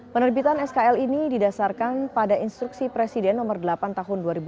penerbitan skl ini didasarkan pada instruksi presiden nomor delapan tahun dua ribu dua puluh